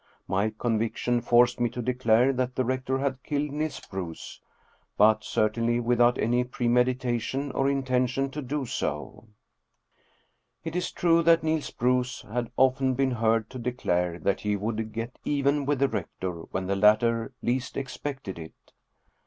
My conviction forced me to declare that the rector had killed Niels Bruus, but certainly without any premeditation or intention to do so. It is true that Niels Bruus had often been heard to declare that he would " get even with the rector when the latter least expected it."